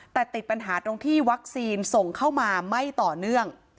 แต่ติดปัญหาตรงที่วัคซีนส่งเข้ามาไม่ต่อเนื่อง